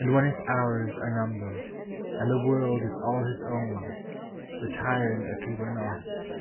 And when his hours are numbered, and the world Is all his own, retiring as he were not.